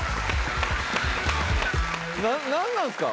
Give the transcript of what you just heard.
何なんすか？